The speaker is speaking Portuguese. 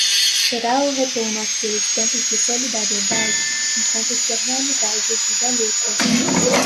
chorar o retorno aqueles tempos de solidariedade, enquanto que a realidade exige a luta